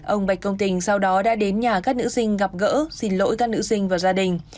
ông bạch công tình sau đó đã đến nhà các nữ sinh gặp gỡ xin lỗi các nữ sinh và gia đình